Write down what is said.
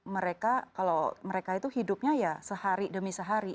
mereka kalau mereka itu hidupnya ya sehari demi sehari